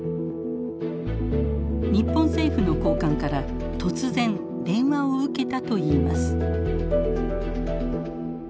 日本政府の高官から突然電話を受けたといいます。